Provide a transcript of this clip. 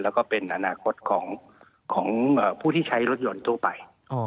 แล้วก็เป็นอนาคตของผู้ที่ใช้รถยนต์ทั่วไป